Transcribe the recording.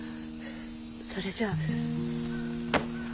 それじゃ。